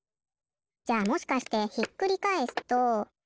じゃあもしかしてひっくりかえすと。